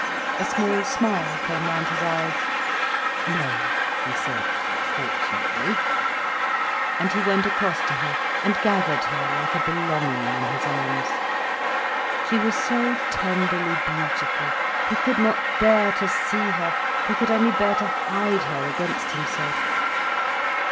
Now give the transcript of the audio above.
A small smile came round his eyes. "No," he said, "fortunately." And he went across to her, and gathered her like a belonging in his arms. She was so tenderly beautiful, he could not bear to see her, he could only bear to hide her against himself.